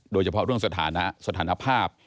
โดยเฉพาะเรื่องสถานะสถานภาพ